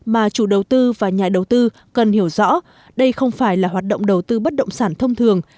mà chủ đầu tư và nhà đầu tư cần hiểu rõ đây không phải là hoạt động đầu tư bất động sản thông thường